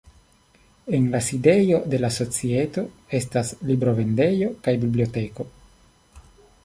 En la sidejo de la societo estas librovendejo kaj biblioteko.